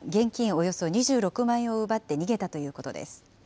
およそ２６万円を奪って逃げたということです。